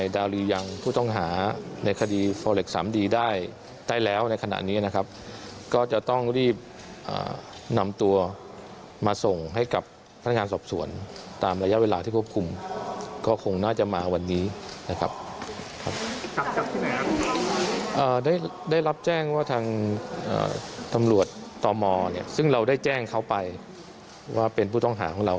ได้รับแจ้งว่าทางตำรวจตอมซึ่งเราได้แจ้งเขาไปว่าเป็นผู้ต้องหาของเรา